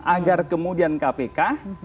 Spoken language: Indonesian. agar kemudian kpk